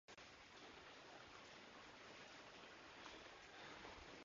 The track was directly inspired by The Cure song "The Love Cats".